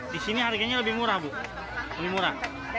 di sini harganya lebih murah bu lebih murah